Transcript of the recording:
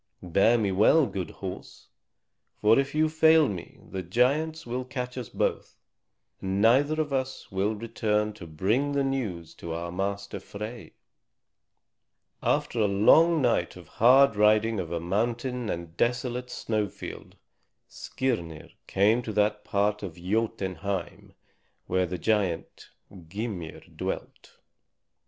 Bear me well, good horse; for if you fail me the giants will catch us both, and neither of us will return to bring the news to our master Frey." After a long night of hard riding over mountain and desolate snowfield, Skirnir came to that part of Jotunheim where the giant Gymir dwelt.